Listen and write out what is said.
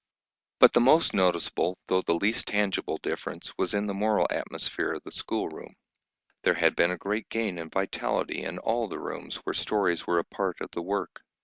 But the most noticeable, though the least tangible, difference was in the moral atmosphere of the schoolroom. There had been a great gain in vitality in all the rooms where stories were a part of the work.